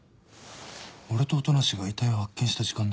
俺と音無が遺体を発見した時間だ。